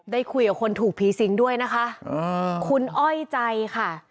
ได้คุยกับคนถูกผีสิงด้วยนะคะคุณอ้อยใจค่ะ